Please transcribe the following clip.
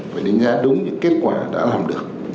phải đánh giá đúng những kết quả đã làm được